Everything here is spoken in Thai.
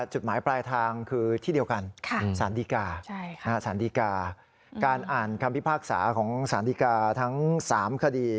จุดหมายปลายทางคือที่เดียวกันสารดีกาสารดีกาการอ่านคำพิพากษาของสารดีกาทั้ง๓คดี